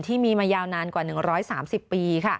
ที่มีมายาวนานกว่า๑๓๐ปี